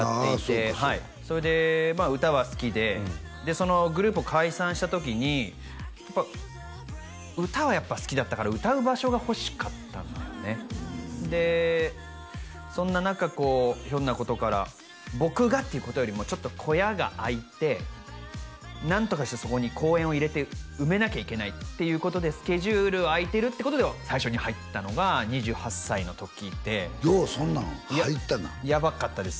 そうかそうかそれで歌は好きででそのグループを解散した時にやっぱ歌はやっぱ好きだったから歌う場所が欲しかったんだよねでそんな中ひょんなことから僕がっていうことよりもちょっと小屋があいて何とかしてそこに公演を入れて埋めなきゃいけないということでスケジュールあいてるってことで最初に入ったのが２８歳の時でようそんなん入ったなヤバかったです